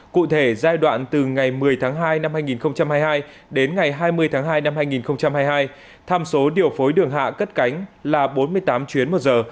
cụ thể giai đoạn từ ngày một mươi tháng hai năm hai nghìn hai mươi hai đến ngày hai mươi tháng hai năm hai nghìn hai mươi hai tham số điều phối đường hạ cất cánh là bốn mươi tám chuyến một giờ